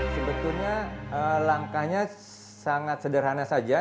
sebetulnya langkahnya sangat sederhana saja